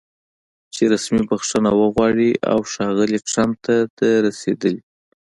چې رسمي بښنه وغواړي او ښاغلي ټرمپ ته د رسېدلي